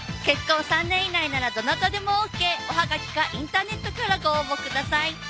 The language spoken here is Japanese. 結婚３年以内ならどなたでもＯＫおはがきかインターネットからご応募ください